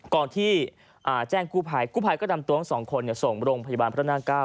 ก่อนที่แจ้งกู้ภัยกู้ภัยก็นำตัวทั้งสองคนส่งโรงพยาบาลพระนั่งเก้า